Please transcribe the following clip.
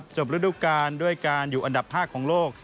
ฤดูกาลด้วยการอยู่อันดับ๕ของโลก